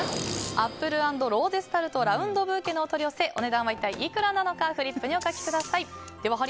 アップル＆ローゼスタルトラウンドブーケのお取り寄せお値段は一体いくらなのかフリップにお書きください。